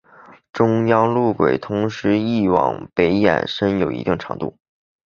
中央路轨同时亦往北延伸有一定长度。